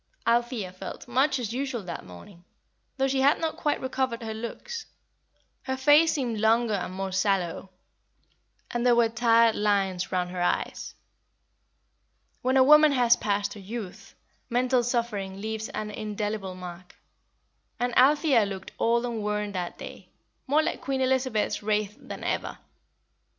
Althea felt much as usual that morning, though she had not quite recovered her looks. Her face seemed longer and more sallow, and there were tired lines round her eyes. When a woman has passed her youth, mental suffering leaves an indelible mark; and Althea looked old and worn that day, and more like Queen Elizabeth's Wraith than ever.